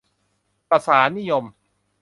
สสารนิยม